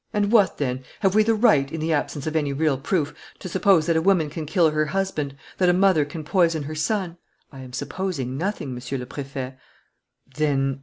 "And what then? Have we the right, in the absence of any real proof, to suppose that a woman can kill her husband, that a mother can poison her son?" "I am supposing nothing, Monsieur le Préfet." "Then